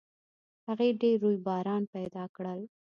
هغې ډېر رویباران پیدا کړل